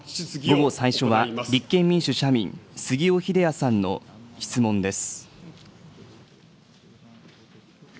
午後最初は、立憲民主・社民、杉尾秀哉さんの質問です。